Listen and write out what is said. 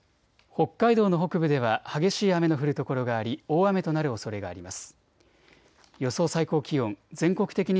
北海道の北部では激しい雨の降る所があり大雨となるおそれがあります。